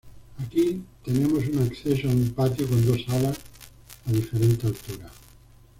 Aquí tenemos un acceso a un patio con dos salas a diferente altura.